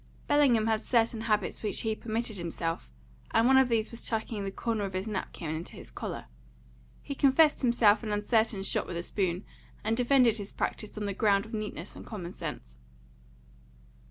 Bellingham had certain habits which he permitted himself, and one of these was tucking the corner of his napkin into his collar; he confessed himself an uncertain shot with a spoon, and defended his practice on the ground of neatness and common sense.